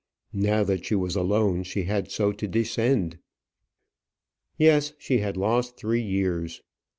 Now that she was alone she had so to descend. Yes; she had lost three years.